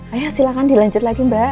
ayah silakan dilanjut lagi mbak